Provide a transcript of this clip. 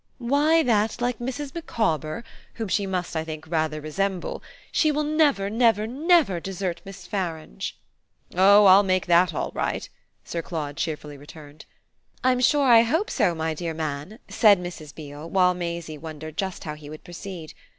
"Why that, like Mrs. Micawber whom she must, I think, rather resemble she will never, never, never desert Miss Farange." "Oh I'll make that all right!" Sir Claude cheerfully returned. "I'm sure I hope so, my dear man," said Mrs. Beale, while Maisie wondered just how he would proceed.